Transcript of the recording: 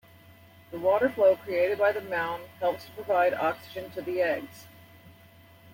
The water flow created by the mound helps to provide oxygen to the eggs.